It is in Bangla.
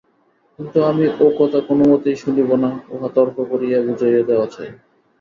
কিন্তু আমি ও-কথা কোনমতেই শুনিব না, উহা তর্ক করিয়া বুঝাইয়া দেওয়া চাই।